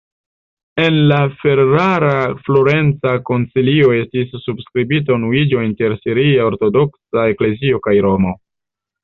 En la ferrara-florenca koncilio estis subskribita unuiĝo inter siria ortodoksa eklezio kaj Romo.